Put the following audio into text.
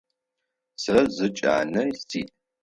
Сэ зы джанэ сиӏ.